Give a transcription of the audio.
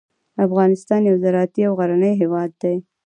افغانستان یو زراعتي او غرنی هیواد دی.